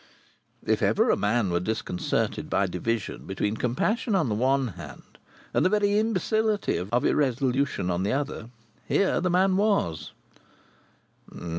If ever a man were disconcerted by division between compassion on the one hand, and the very imbecility of irresolution on the other, here the man was.